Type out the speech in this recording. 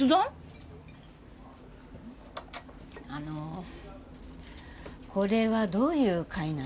あのこれはどういう会なんですか？